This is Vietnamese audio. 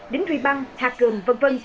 đính ri băng hạt gừng v v